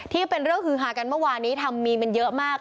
ที่เป็นเรื่องฮือฮากันเมื่อวานนี้ทำมีมันเยอะมาก